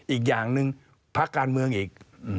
อีกอย่างหนึ่งพักการเมืองอีก